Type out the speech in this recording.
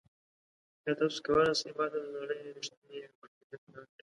ایا تاسو کولی شئ ما ته د نړۍ ریښتیني غوښتنلیک راکړئ؟